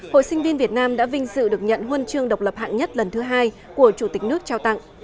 hội sinh viên việt nam đã vinh dự được nhận huân chương độc lập hạng nhất lần thứ hai của chủ tịch nước trao tặng